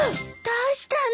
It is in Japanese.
どうしたの？